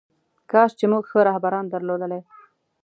کاش چې موږ ښه رهبران درلودلی.